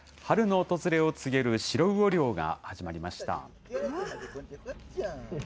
春の訪れを告げるシロウオ漁が始まりました。